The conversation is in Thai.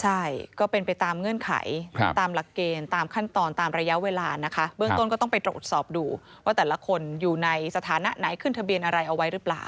ใช่ก็เป็นไปตามเงื่อนไขตามหลักเกณฑ์ตามขั้นตอนตามระยะเวลานะคะเบื้องต้นก็ต้องไปตรวจสอบดูว่าแต่ละคนอยู่ในสถานะไหนขึ้นทะเบียนอะไรเอาไว้หรือเปล่า